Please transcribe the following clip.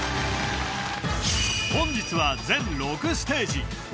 本日は全６ステージ